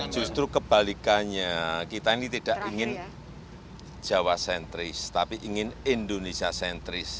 justru kebalikannya kita ini tidak ingin jawa sentris tapi ingin indonesia sentris